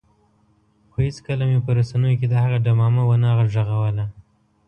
خو هېڅکله مې په رسنیو کې د هغه ډمامه ونه غږوله.